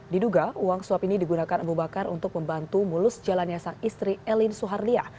diduga uang suap ini digunakan abu bakar untuk membantu mulus jalannya sang istri elin suharlia